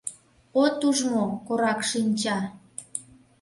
От уж мо, корак шинча!..